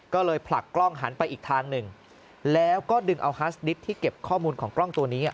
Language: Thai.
ก็เลยผลักกล้องหันไปอีกทางหนึ่งแล้วก็ดึงเอาฮาสดิตที่เก็บข้อมูลของกล้องตัวนี้